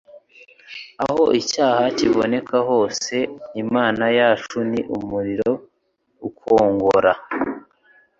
Aho icyaha kiboneka hose « Imana yacu ni umuriro ukongora.»